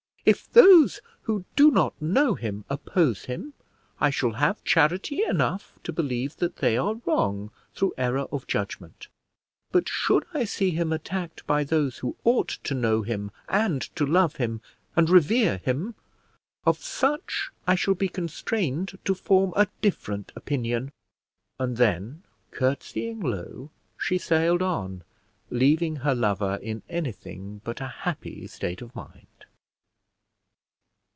If those who do not know him oppose him, I shall have charity enough to believe that they are wrong, through error of judgment; but should I see him attacked by those who ought to know him, and to love him, and revere him, of such I shall be constrained to form a different opinion." And then curtseying low she sailed on, leaving her lover in anything but a happy state of mind.